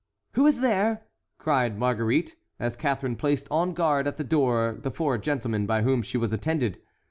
"Who is there?" cried Marguerite, as Catharine placed on guard at the door the four gentlemen by whom she was attended.